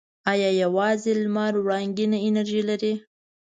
آیا یوازې لمر وړنګینه انرژي لري؟